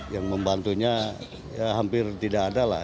yang membantunya ya hampir tidak ada lah